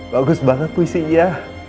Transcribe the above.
bagus banget puisinya